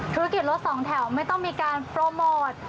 ธุรกิจรถสองแถวไม่ต้องมีการโปรโมท